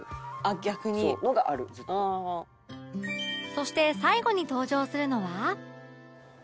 そして最後に登場するのは